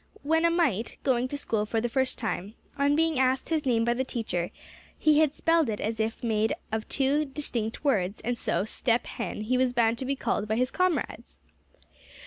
When a mite, going to school for the first time, on being asked his name by the teacher, he had spelled it as made up of two distinct words; and so Step Hen he was bound to be called by his comrades.